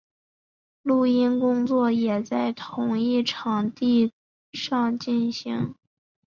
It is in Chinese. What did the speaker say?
录音工作也在同一场地上进行。